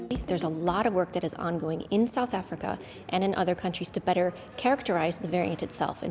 ada banyak kerja yang berlangsung di afrika selatan dan di negara lain untuk memperbaiki variasi itu sendiri